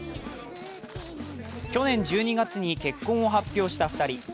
去年１２月に結婚を発表した２人。